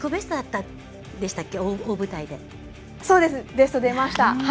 ベスト出ました。